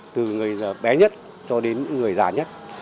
từ người bé nhất cho đến người già nhất